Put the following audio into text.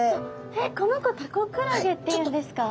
えっこの子タコクラゲっていうんですか？